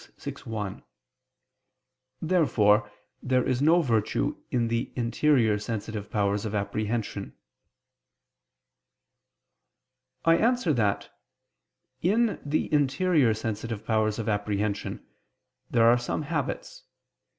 _ vi, 1. Therefore there is no virtue in the interior sensitive powers of apprehension. I answer that, In the interior sensitive powers of apprehension there are some habits.